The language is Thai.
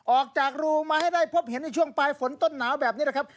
ออกจากรูมาให้ได้พบเห็นในช่วงปลายฝนต้นหนาวแบบนี้นะครับ